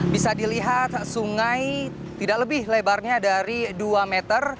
bisa dilihat sungai tidak lebih lebarnya dari dua meter